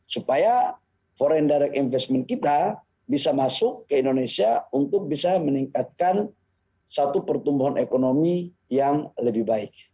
supaya foreign direct investment kita bisa masuk ke indonesia untuk bisa meningkatkan satu pertumbuhan ekonomi yang lebih baik